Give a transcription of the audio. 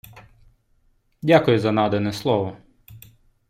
Дякую за надане слово!